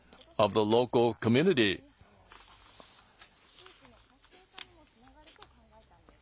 地域の活性化にもつながると考えたんです。